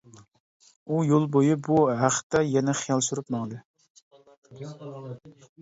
ئۇ يول بويى بۇ ھەقتە يەنە خىيال سۈرۈپ ماڭدى.